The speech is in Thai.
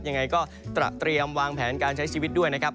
ยังไงก็ตระเตรียมวางแผนการใช้ชีวิตด้วยนะครับ